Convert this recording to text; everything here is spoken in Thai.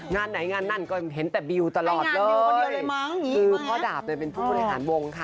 งานไหนงานนั่นก็ยังเห็นแต่บิวตลอดเลยงานบิวก็เดียวเลยมั้งคือพ่อดาบเนี้ยเป็นผู้บริหารวงค่ะ